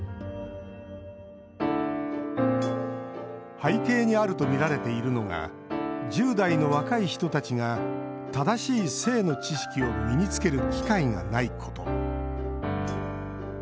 背景にあるとみられているのが１０代の若い人たちが正しい性の知識を身につける機会がないこと。